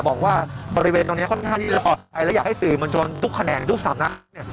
บอกว่าบริเวณตรงเนี้ยค่อนข้างที่รอดไปแล้วอยากให้สื่อมวลชนทุกแขนงทุกสำนักเนี่ย